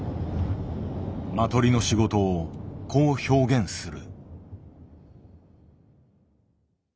マトリの仕事をこう表現する。